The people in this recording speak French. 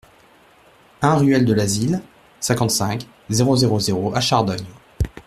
un ruelle de l'Asile, cinquante-cinq, zéro zéro zéro à Chardogne